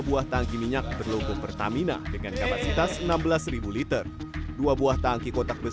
buah tangki minyak berlogo pertamina dengan kapasitas enam belas liter dua buah tangki kotak